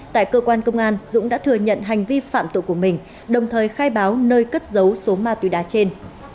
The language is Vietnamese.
tại cơ quan công an dũng đã thừa nhận hành vi phạm tội của mình đồng thời khai báo nơi cất dấu số ma túy đá trên